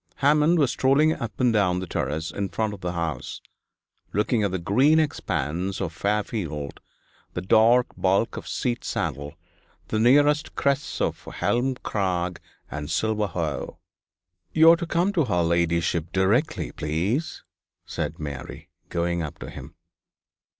Hammond was strolling up and down the terrace in front of the house, looking at the green expanse of Fairfield, the dark bulk of Seat Sandal, the nearer crests of Helm Crag and Silver Howe. 'You are to come to her ladyship directly, please,' said Mary, going up to him.